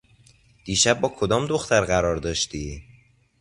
دیشب با کدام دختر قرار داشتی؟